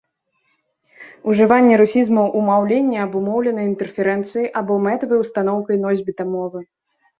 Ужыванне русізмаў у маўленні абумоўлена інтэрферэнцыяй або мэтавай устаноўкай носьбіта мовы.